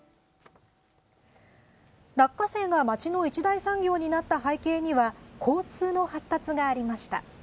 落花生が街の一大産業になった背景には交通の発達がありました。